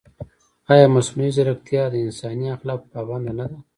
ایا مصنوعي ځیرکتیا د انساني اخلاقو پابنده نه ده؟